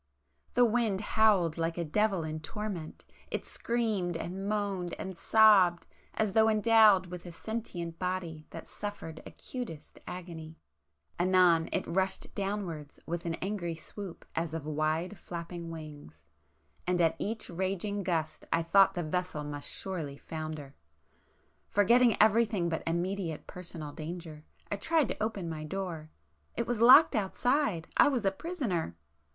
The wind howled like a devil in torment,—it screamed and moaned and sobbed as though endowed with a sentient body that suffered acutest agony,—anon it rushed downwards with an angry swoop as of wide flapping wings, and at each raging gust I thought the vessel must surely founder. Forgetting everything but immediate personal danger, I tried to open my door. It was locked outside!—I was a prisoner!